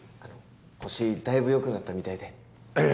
腰だいぶよくなったみたいでええ